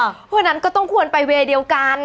เพราะฉะนั้นก็ต้องควรไปเวย์เดียวกัน